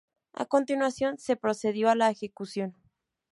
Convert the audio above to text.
A continuación, se procedió a la ejecución.